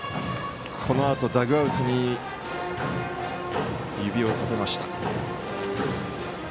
ダグアウトに指を立てました。